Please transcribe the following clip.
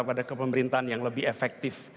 pada kepemerintahan yang lebih efektif